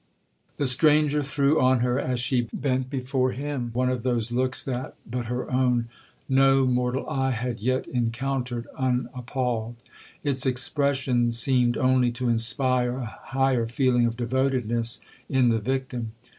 'The stranger threw on her, as she bent before him, one of those looks that, but her own, no mortal eye had yet encountered unappalled. Its expression seemed only to inspire a higher feeling of devotedness in the victim.